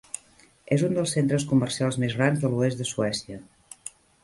És un dels centres comercials més grans de l'oest de Suècia.